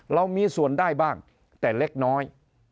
เรามีส่วนได้บ้างแต่เล็กน้อย